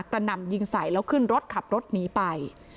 หนำยิงใส่แล้วขึ้นรถขับรถหนีไป